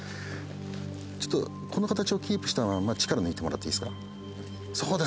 ちょっとこの形をキープしたまま力抜いてもらっていいですか。